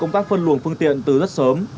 ổn tắc phân luồng phương tiện từ rất sớm